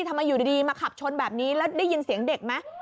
ทำไมอยู่ดีมาขับชนแบบนี้แล้วได้ยินเสียงเด็กไหม